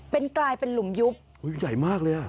เป็นกลายเป็นหลุมยุบเฮ้ยใหญ่มากเลยอ่ะ